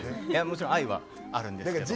もちろん愛はあるんですけども。